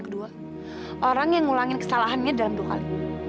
emang waktu itu kenapa kamu gak datang